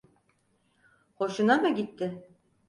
Hoşuna mı gitti?